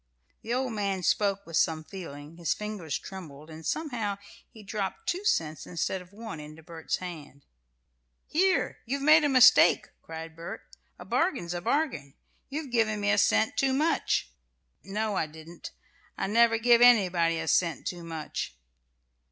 The old man spoke with some feeling, his fingers trembled, and somehow he dropped two cents instead of one into Bert's hand. "Here! You've made a mistake!" cried Bert. "A bargain's a bargain. You've given me a cent too much." "No, I didn't. I never give anybody a cent too much."